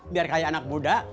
biar kayak anak muda